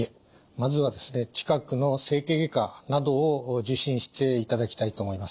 まずは近くの整形外科などを受診していただきたいと思います。